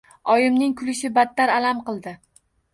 Oyimning kulishi battar alam qildi.